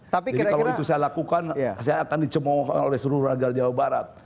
jadi kalau itu saya lakukan saya akan dicemohkan oleh seluruh rakyat jawa barat